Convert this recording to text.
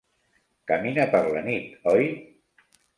Camina per la nit, oi?